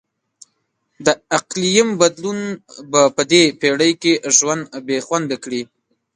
د اقلیم بدلون به په دې پیړۍ کې ژوند بیخونده کړي.